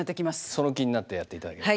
その気になってやっていただければ。